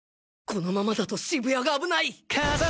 このままだと渋谷が危ない。